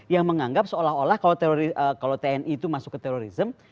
yang menganggap seolah olah kalau tni itu masuk ke terorisme